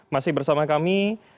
masih bersama kami